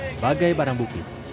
sebagai barang bukti